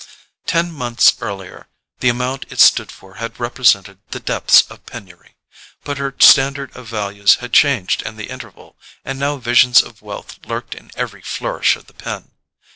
Ten months earlier the amount it stood for had represented the depths of penury; but her standard of values had changed in the interval, and now visions of wealth lurked in every flourish of the pen.